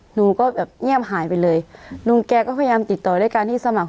หนูก็แบบเงียบหายไปเลยลุงแกก็พยายามติดต่อด้วยการที่สมัคร